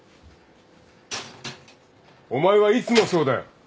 お前はいつもそうだよ。